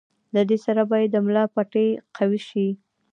د دې سره به ئې د ملا پټې قوي شي